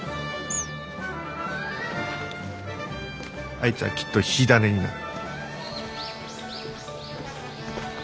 あいつはきっと火種になる。